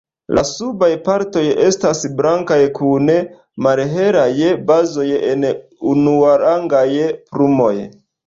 La subaj partoj estas blankaj kun malhelaj bazoj en unuarangaj plumoj.